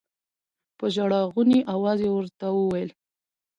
په ژړا غوني اواز يې ورته وويل.